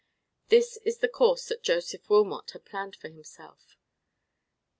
This is the course that Joseph Wilmot had planned for himself.